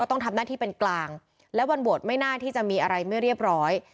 ต้องทำหน้าที่เป็นกลางและวันโหวตไม่น่าที่จะมีอะไรไม่เรียบร้อย